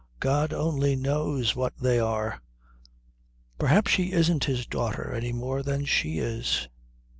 God only knows what they are perhaps she isn't his daughter any more than she is